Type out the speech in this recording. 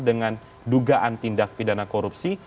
dengan dugaan tindak pidana korupsi